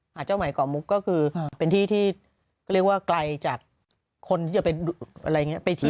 หาเจ้าใหม่เกาะมุกก็คือเป็นที่ที่เรียกว่ากลายจากคนที่จะไปที่เที่ยว